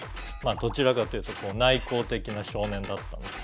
どちらかというと内向的な少年だったんです。